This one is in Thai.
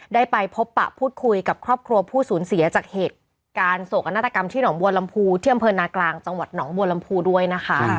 ได้ไปพบปะพูดคุยกับครอบครัวผู้สูญเสียจากเหตุการณ์โศกนาฏกรรมที่หนองบัวลำพูที่อำเภอนากลางจังหวัดหนองบัวลำพูด้วยนะคะ